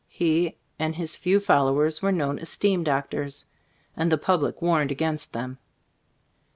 He and his few followers were known as "Steam Doctors" — and the public warned against them.